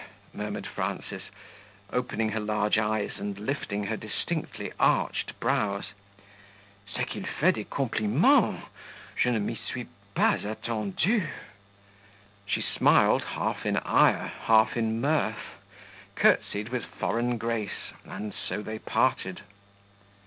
murmured Frances, opening her large eyes and lifting her distinctly arched brows; "c'est qu'il fait des compliments! je ne m'y suis pas attendu." She smiled, half in ire, half in mirth, curtsied with foreign grace, and so they parted.